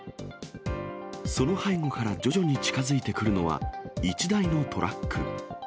その背後から徐々に近づいてくるのは、１台のトラック。